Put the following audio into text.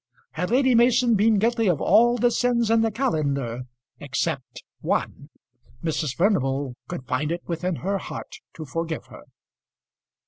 Had Lady Mason been guilty of all the sins in the calendar except one, Mrs. Furnival could find it within her heart to forgive her.